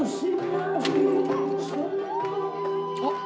あっ。